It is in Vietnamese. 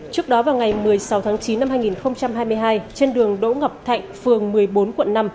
trước đó vào ngày một mươi sáu tháng chín năm hai nghìn hai mươi hai trên đường đỗ ngọc thạnh phường một mươi bốn quận năm